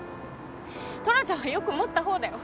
トラちゃんはよく持ったほうだよ。